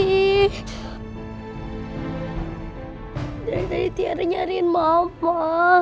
tidak ada yang nyariin mama